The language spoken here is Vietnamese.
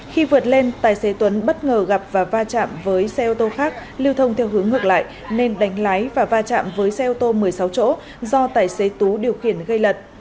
khi vượt lên tài xế tuấn bất ngờ gặp và va chạm với xe ô tô khác lưu thông theo hướng ngược lại nên đánh lái và va chạm với xe ô tô một mươi sáu chỗ do tài xế tú điều khiển gây lật